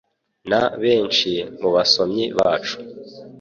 na benshi mu basomyi bacu.